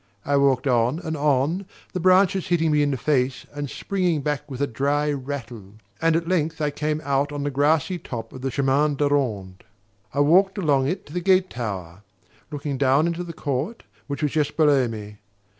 I walked on and on, the branches hitting me in the face and springing back with a dry rattle; and at length I came out on the grassy top of the chemin de ronde. I walked along it to the gate tower, looking down into the court, which was just below me.